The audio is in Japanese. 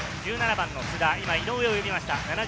１７番・須田、井上を呼びました。